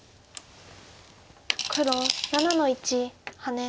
黒７の一ハネ。